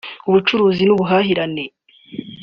Ubucuruzi n’ubuhahirane